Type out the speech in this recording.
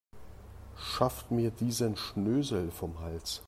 Schafft mir diesen Schnösel vom Hals.